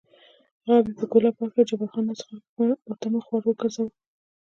غاب یې په ګوله پاک کړ، جبار خان ناستو خلکو ته مخ ور وګرځاوه.